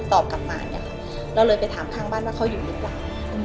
ตอบกลับมาเนี่ยค่ะเราเลยไปถามข้างบ้านว่าเขาอยู่หรือเปล่า